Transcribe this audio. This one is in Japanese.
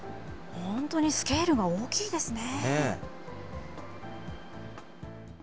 本当にスケールが大きいですね。